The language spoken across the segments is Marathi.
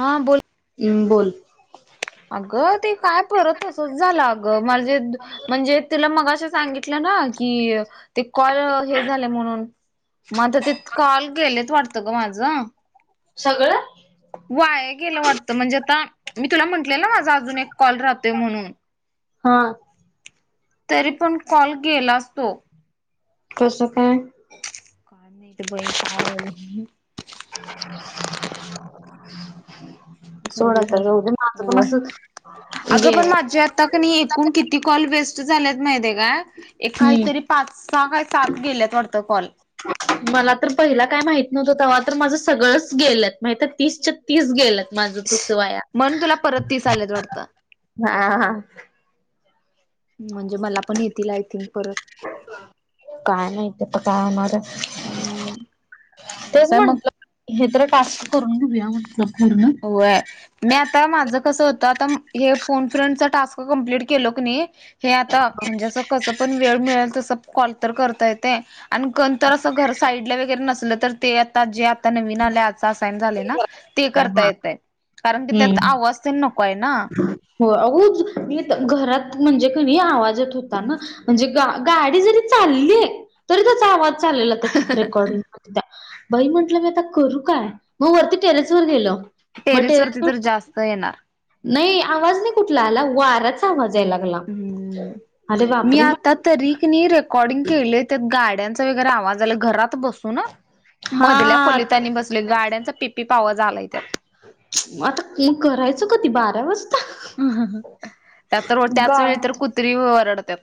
हां बोल बोल अगं ते काय परत तसंच झालं अगं माझे म्हणजे तूला मग असं सांगितलं ना की ते कॉल हे झाले म्हणून म आता ते कॉल गेलेत वाटतं ग माझं सगळं वाया गेलं वाटत म्हणजे आता मी तुला म्हंटले ना माझा अजून एक कॉल राहतोय म्हणून हा तरी पण कॉल गेलाच तो कसं काय काय माहित बाई काय झालं सोड आता जाऊ दे माझं पण हो असं अगं पण गेलं माझ्या आता कणी एकूण किती कॉल वेस्ट झालेत माहितेय काय? एक काहीतरी हम्म पाच, सहा काय सात गेल्यात वाटतं कॉल. ह [unintelligible] मला तर पहिला काय माहित नव्हत तेव्हा तर माझं सगळंच गेलंत. माझं तर तीसच्या तीस गेलत. माझं तस वाया. म्हणून तुला परत तीस आलेत वाटतं. म्हणजे मला पण येतील. आय थिंक परत. काय माहित आता काय होणारे. हम्म आणि तेच काय मग म्हटलं. हे तर टास्क करून घेऊया म्हटलं. पूर्ण व्हय. म्या आता माझं कसं होत. आता हे फोन फ्रेंड चा टास्क कमप्लीट केलो कणी. हे आता. म्हणजे कसं पण वेळ मिळेल तस कॉल तर करता येतेय. आणि कोणतर असं घर साईडला वगैरे नसल तर. ते आता जे नवीन आल्या आता असाईन झाले ना. ते करता येतय. कारण की त्यात हम्म आवाज ते नकोय ना. हो अगं घरात म्हणजे कणी, आवाजत होता ना. म्हणजे ग गाडी जरी चाललीय. तरी त्याचा आवाज झालेला त्याच्यात रेकॉर्डिंग. बाई म्हंटलं मी आता करू काय? मग वरती टेरेस वर गेलो. मग टेरेस वरती टेरेसवर तर जास्त येणार. नाही आवाज नाही कुठला आला. वाऱ्याचा आवाज यायला लागला. अरे हम्म मी बापरे म आता तरी कणी रेकॉर्डिंग केले. त्यात गाड्यांचा वगैरे आवाज आला. घरात बसून. हो ना. हा मधल्या खोलीत आणि बसलोय. गाड्यांचा पिप्पिप आवाज आलाय त्यात. आता म करायचं कधी. बारा वाज त्या तर त्याच वेळी गाय तर कुत्री वरडतात.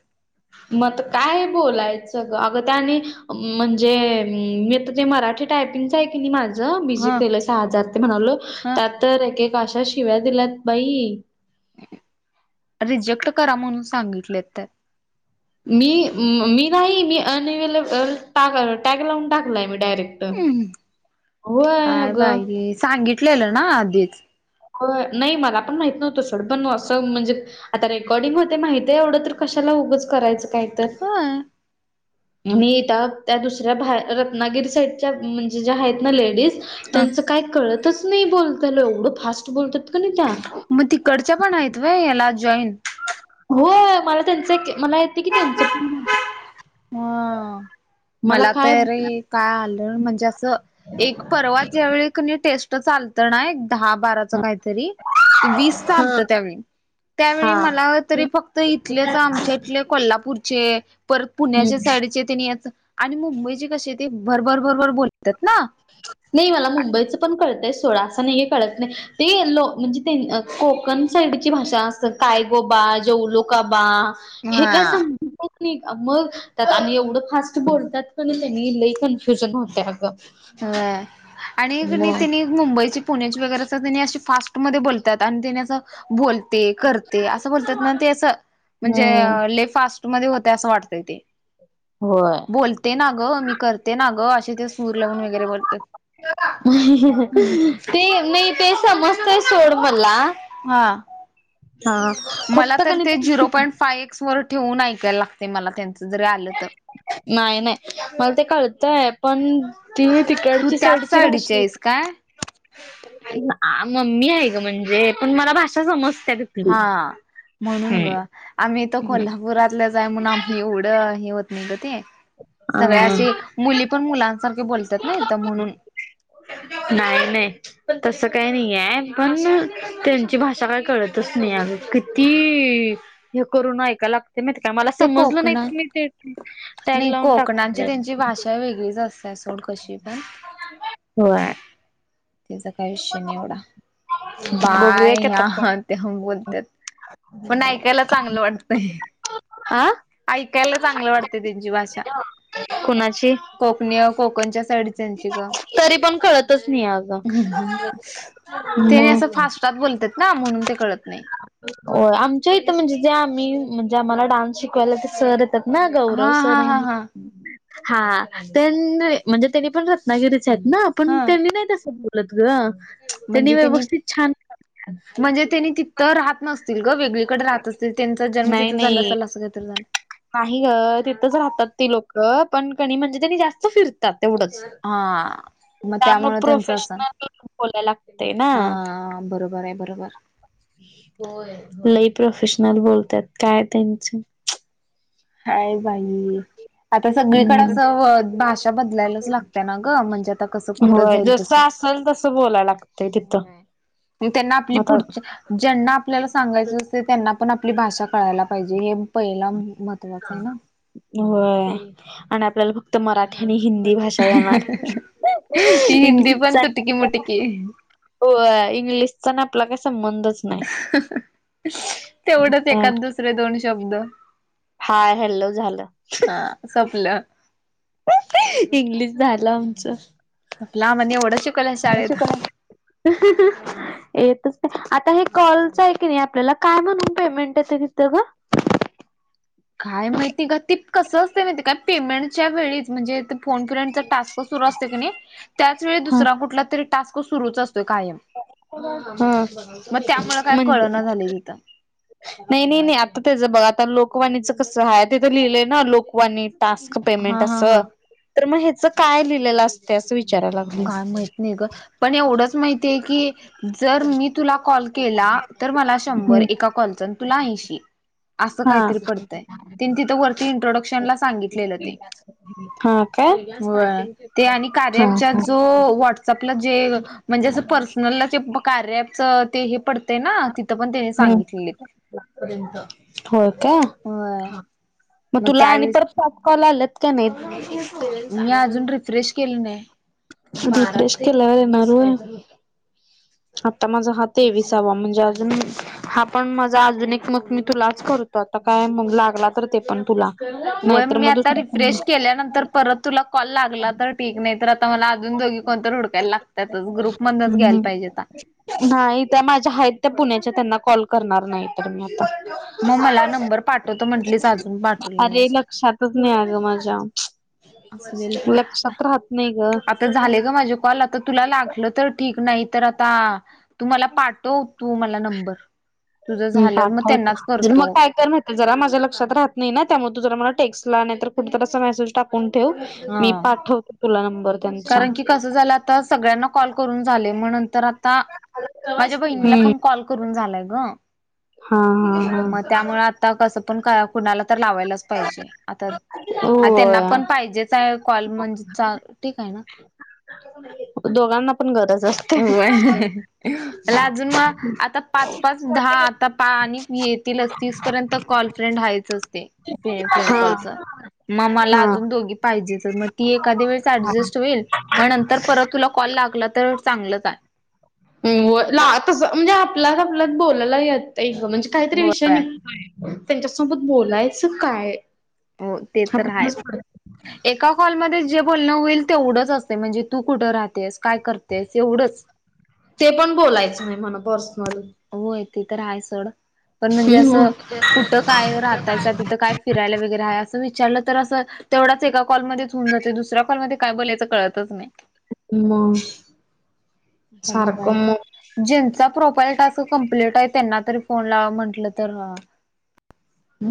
म आता काय बोलायचं. अग त्यानी म्हणजे मी तर ते मराठी टायपिंगचय कीनी माझ. मीझी ह केलं सहा हजार ते म्हणालो. ह त्यात तर एक आशा शिव्या दिल्यात बाई. रिजेक्ट करा म्हणून सांगितले त्यात. मी मी नाही. मी अनवेलेब ट टॅग लावून टाकलाय. मी डायरेक्ट. ट. होय काय अग. बाई सांगितलेलं ना आधीच. नाही मला पण माहित नव्हत सोड. पण असं म्हणजे आता रेकॉर्डिंग होते. माहितेय एवढं तर, कशाला उगंच करायचं काय तर. होय आणि इता त्या दुसऱ्या बा रत्नागिरी साईडच्या. म्हणजे ज्या आहेत ना लेडीज. ह त्यांचं काय कळतच नाही बोलताल. एवढं फास्ट बोलतात कनी त्या. तीकडच्या पण आहेत व्हय. याला जॉईन. होय. मला त्यांचं, मला येत की त्यांचं पण. ह मला तरी काय आलं. म्हणजे एक परवाच्या वेळी कनी टेस्ट च आलतं ना एक. दहा बाराच काहीतरी. वीस हा झालतं त्यावेळी. त्यावेळी हा मला तरी, फक्त इथल्याच आमच्या इथले कोल्हापूरचे. परत पुण्याच्या हम्म साईडचे. ते नीयेत. आणि मुंबई कसे ते. भरभर भरभर बोल त्यात ना. नाही मला मुंबईचं पण कळतय सोडा. असा नाहीये कळत नाही. ते लो म्हणजे कोकण साईडची भाषा असल. कायगो बा. जवलोका बा. हे हा कसं मग त्यात आणि एवढं फास्ट बोलतात कनी त्यांनी लई कन्फ्युजन होतय अगं. होय [unintelligible] आणि मग तिनी मुंबईची पुण्याची वगैरे अस तने अशी फास्टमध्ये बोलतात. आणि त्याने असं बोल ते. करते. असं बोलतात ना ते असं, म्हणजे हम्म लई फास्ट मध्ये होतय असं वाटतय ते. होय बोलते ना ग, मी करते ना ग, असे ते सूर लावून वगैरे बोलतात. ते नाही ते समजतय सोड मला हा हा मला फक्त तर कणी ते झिरो पॉईंट फाय एक्स वर ठेवून ऐकायला लागते मला त्यांचं जरी आलं तर. नाही, नाही मला ते कळतय पण ती तू तिकडची त्याच साईडची साडीची भाषा आहे आहेस काय? मम्मी आहे ग म्हणजे पण मला भाषा समज हा म्हणून ग. आम्हीत कोल्हापुरातल्याच हाय म्हणून आम्ही एवढं हे होत नाही ग ते. हम्म सगळ्याशी मुली पण मुलांसारखे बोलतात न हीत म्हणून. नाही, नाही. तसं काही नाही आहे पण त्यांची भाषा काय कळतच नाही अ किती हे करून ऐकाय लागते माहती काय मला ते समजलं नाही कोकणात तुम्ही ते टॅग नाही लावून कोकणांची टाकते त्यांची भाषा वेगळीच असते सोड कशी पण. होय. त्याचा काय विषय नाही एवढा बघूया बाय की या आता ते तेेव बोलतात. पण ऐकायला चांगलं वाटतय. आ ऐकायला चांगलं वाटते त्यांची भाषा. कुणाची कोकणी कोकणच्या साईड त्यांची ग. तरी पण कळतच नाही अगं ते असं मग फास्टात बोलतात ना म्हणून ते कळत नाही. हो आमच्या इथं म्हणजे जे आम्ही म्हणजे आम्हाला डान्स शिकवायला ते सर येतात. ना गौरव हा हा सर हा म्हणुन. हा हा त्यां नाय म्हणजे त्यांनी पण रत्नागिरीच आहेत ना पण हा त्यांनी नाही तस बोलु ग त्यांनी व्यवस्थित छान म्हणजे त्यांनी तिथं राहत नसतील ग वेगळीकडे राहत असतील त्यांचा जन्म नाही तिथं झाला नाही असाल असं काहीतरी झाल. नाही ग तिथंच राहतात ती लोक पण कणी म्हणजे त्यांनी जास्त फिरतात तेवढंच. हा. मग त्यामुळे त्यांच असण, प्रोफेशनल बोलायला लागतय ना हा बरोबर आहे बरोबर. होय लई प्रोफेशनल बोलतात काय त्यांची. हाय बाई. आता सगळीकडे हम्म असं भाषा बदलायलाच लागतेय ना ग म्हणजे आता कस कुठ जाई जस असेल तस बोलायला लागतय तिथ. होय त्यांना आपली पुढच ज्यांना आपल्याला सांगायचं असत त्यांना पण आपली भाषा कळायला पाहिजे हे पहिला महत्त्वाचं आहे ना होय आणि आपल्याला फक्त मराठी आणि हिंदी भाषा येणार ती हिंदी पण तुटकी मुटकी [unintelligible] होय इंग्लिशचा आणि आपला काय संबंध च तेवढंच ह एखाद दुसरे दोन शब्द. हाय, हॅल्लो झाल. हा सपलं. इंग्लिश झालं आमच. म्हटल एवढंच शिकवल शाळेत. [inaudible] येतस नाही आता हे कॉलच आहे की नाही आपल्याला काय म्हणून पेमेंट येत तिथं ग? काय माहितीग ते कसं असते माहिती काय पेमेंटच्या वेळीच म्हणजे फोन फ्रेंड टास्क सुरू असत की नाही त्याच वेळी ह दुसरा कुठला तरी टास्क सुरूच असतो कायम. हा, मग त्यामुळे काय म्हण कळना झालंय तिथं नाही, नाही, नाही आता तेज बघ आता लोकवाणीच कस आहेय तिथं लिहिलंय ना लोकवाणी टास्क पेमेंट हा अस, हा हा तर मग ह्याच काय लिहिलेलं असतय असं विचारायला लागले काय माहित नाही ग पण एवढच माहित ते कि जर मी तुला कॉल केला तर मला शंभर हम्म एका कॅलच तुला ऐंशी. असं हा काहीतरी पडतय तेनी तिथं वरती इंट्रोडक्शन ला सांगितलेलं ते. हा काय? व्हय, ते आणि हा कार्याच्या हा जो व्हाट्सअप ला जे म्हणजे असं पर्सनल ला जे कार्याचं ते हे पडतंय. हम्, होय काय. होय मग तुला आणि परत पाच कॉल आलेत का नाहीत. मी अजून रिफ्रेश केलं नाही. रिफ्रेश केल्यावर येणार व्हय, आता माझं तेविसावा म्हणजे अजून- हा पण माझा अजुन एक मग मी तुलाच करतो आता काय मग लागला तर ते पण तुला वय नाहीतर मी मग आता दुसरा रिफ्रेश केल्यानंतर परत तुला कॉल लागला तर ठीक नाही तर आता मला अजुन दोघी कोण हुडकायला लागतातच ग्रुप मधच घ्यायला कोणी पाहिजेत. नाही त्या माझ्या आहेत त्या पुण्याच्या त्यांना कॉल करणार नाही तर मी आता‌. मग मला नंबर पाठवतो म्हंटलीस अजून पाठवली नाहीस. लक्षात नाही अ ग माझ्या, असू दे लक्षात राहत नाही ग. [unintelligible] झाले ग माझे कॉल आता तुला लागलं तर ठीक नाही तर आता. तू मला पाठव तू मला नंबर. तुझं झाल्यावर मग त्यांनाच [unintelligible] जर मग करतो काय तर जरा माझ्या लक्षात राहत नाही ना त्यामुळे तु जरा मला टेक्स्ट ला नाही तर कुठ अस मेसेज फोन ठेव हा मी पाठवतो तुला नंबर. त्यांचा कारण की कसं झालं आता सगळ्यांना कॉल करून झाले मग नंतर. आता, माझ्या बहिणीला हम्म पण कॉल करून झालाय ग. हा हा मग त्यामुळे आता कसं पण काळा कुठं तर लावायलाच पाहिजे, आता हा त्यांना होय पण पाहिजे च आहे कॉल म्हणजे ठीक आहे. दोघांना पण गरज असते होय [unintelligible] मला लाजून आता पाच पाच दहा आता पा आणि येतीलच तीस पर्यंत कॉलर्फ्रेंड हायतच ते ते फ्रेंड हा कॉलचा मग मला हा अजून दोघी पाहिजेच मग ती एखाद्या वेळेस ऍडजस्ट होईल मग नंतर परत तुला कॉल लागला तर चांगलच आहे. [unintelligible] व ला तस म्हणजे आपला आपल्यात बोलायला येत म्हणजे काहीतरी विषय होय निघतोय. त्यांच्यासोबत बोलायचं काय. हो ते तर आहे एक. आपणच एका कॉलमध्येध्ये जे बोलणं होईल ते एवढंच असते म्हणजे तू कुठं राहतेस काय करतेस एवढंच. ते पण बोलायचं नाही म्हन पर्सनल. होय ते तर आहे सड पण म्हणजे असं मग कुठं काय राहतायसा तिथं काय फिरायला वगैरे आहे असं विचारलं तर असं तेवढाच एका कॉलमध्येच होऊन जाते दुसऱ्या कॉलमध्येध्ये काय बोलायचं कळतच नाही. मग. आता सारखं बघायचं ज्यांचा प्रोफाईल टास्क कम्प्लीट आहे त्यांना तरी फोन लावा म्हंटलं तर ह.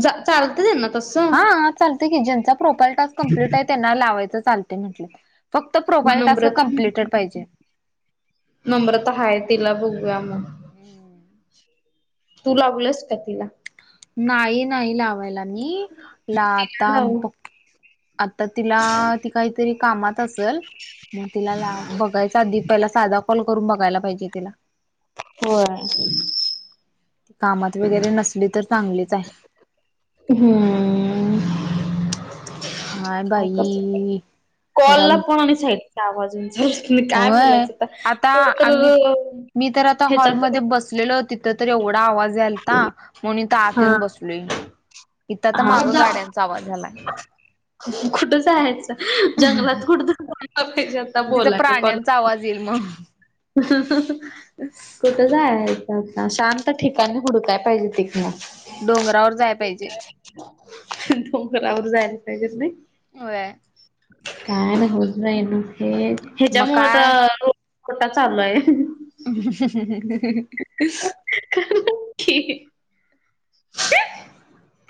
जा चालत तेना तसं. हा चालत की ज्यांचा प्रॉपर टास्क कमप्लीट आहे त्यांना लावायचं चालते म्हटलं. फक्त प्रोफाईल टास्क नम्रता कमप्लीटेड पाहिजे. नम्रता हाय तिला बोलुया मग. तू लावलस का तिला नाही नाही लावायला मी तीला आता लावू फो आता तिला ती काहीतरी कामात असल. मग तिला लावु बघायचा आधी पहिला साधा कॉल करून बघायला पाहिजे तिला होय. कामात वगैरे नसली तर चांगलीच आहे. हम् [unintelligible] काय करतात बाई घरात कॉलला कोणी सांगितलं की आवाज होईल हेच मी काय होय बोलायचं आता तर [unintelligible] ह्याच्यात बसलेले तिथ तर एवढा आवाज याल म्हणून इथ आत हा येऊन बसलोय इथ आता मागं गाड्यांचा आवाज झालाय [unintelligible] कुठ जायाच [unintelligible] [unintelligible] जंगलात कुठ आत्ता च्या आता तिथं बोलायला पण प्राण्यांचा आवाज येईल मग [unintelligible] [unintelligible] [inaudible] [unintelligible] कुठं जायच आता शांत ठिकाणी हुडूकय पाहिजे तिकनग डोंगरावर जाय पाहिजे [unintelligible] डोंगरावर जायला पाहिजे होय होय [unintelligible] काय होत नाही मग ते मग हच्यामुळे काय तर कुठं चालू आहे [unintelligible] [unintelligible] [unintelligible] [unintelligible] [unintelligible] [unintelligible]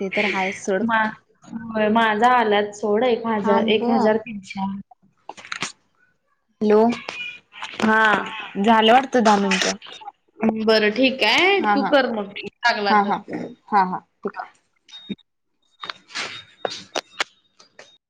ते तर हाय सोड मा आ माझा आलात सोड आहे थांब हॅलो हा झालं वाटतं दहा मिनिट [unintelligible] बरं ठीक आहे तू कर मग लागला तर टिक [unintelligible]